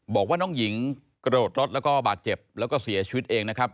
บอกว่าน้องหญิงกระโดดรถแล้วก็บาดเจ็บแล้วก็เสียชีวิตเองนะครับ